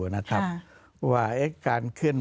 ว่าการเคลื่อนไหวของพรรคเพื่อไทย